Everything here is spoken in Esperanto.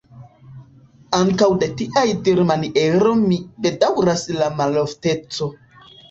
Ankaŭ de tiaj dirmanieroj mi bedaŭras la maloftecon.